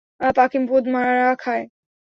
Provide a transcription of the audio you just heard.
পাখি পোদ মারা খায়।